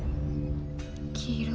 黄色。